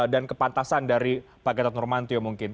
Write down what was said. dan kepantasan dari pak gatot nurmantio mungkin